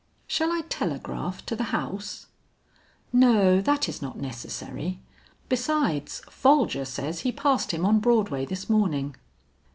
"Shall I telegraph to the house?" "No, that is not necessary. Besides Folger says he passed him on Broadway this morning."